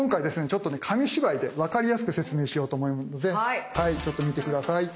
ちょっとね紙芝居でわかりやすく説明しようと思うのでちょっと見て下さい。